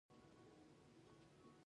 خو ډېر کار مې نسو کولاى.